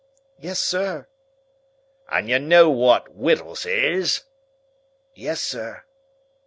"Yes, sir." "And you know what wittles is?" "Yes, sir."